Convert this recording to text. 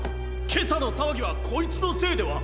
けさのさわぎはこいつのせいでは？